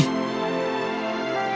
tidak ada gunanya sama sekali